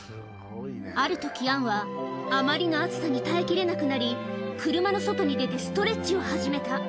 あるとき、アンはあまりの暑さに耐えきれなくなり、車の外に出てストレッチを始めた。